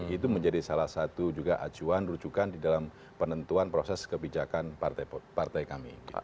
itu menjadi salah satu juga acuan rujukan di dalam penentuan proses kebijakan partai kami